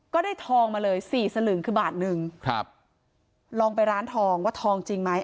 ก็ได้ทองมาเลยสี่สลึงคือบาทหนึ่งครับลองไปร้านทองว่าทองจริงไหม